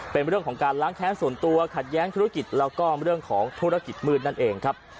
เป็นเรื่องของการล้างแค้นส่วนตัวขัดแย้งธุรกิจแล้วก็เรื่องของธุรกิจมืดนั่นเองครับ